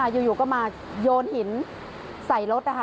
อยู่ก็มายโยนหินใส่รถ